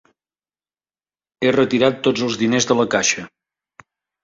He retirat tots els diners de la caixa.